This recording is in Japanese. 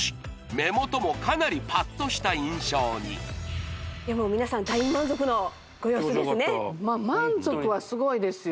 目元もかなりパッとした印象に皆さん大満足のご様子ですね気持ちよかったまあ満足はすごいですよ